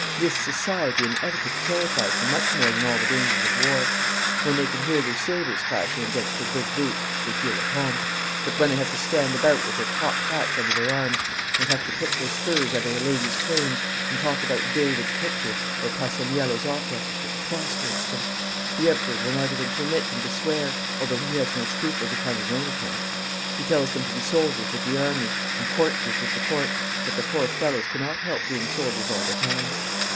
This society and etiquette terrifies them much more than all the dangers of war. When they can hear their sabres clashing against their big boots they feel at home, but when they have to stand about with their cocked hats under their arms, and have to pick their spurs out of the ladies' trains, and talk about David's picture or Passaniello's opera, it prostrates them. The Emperor will not even permit them to swear, although he has no scruples upon his own account. He tells them to be soldiers with the army, and courtiers with the Court, but the poor fellows cannot help being soldiers all the time.